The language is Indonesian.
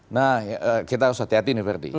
nah kita harus hati hati nih verdi